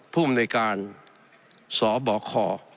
ผู้อำนวยการสบค